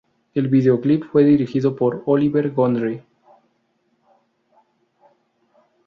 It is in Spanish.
El video clip fue dirigido por Olivier Gondry.